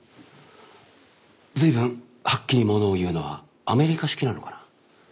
随分はっきりものを言うのはアメリカ式なのかな？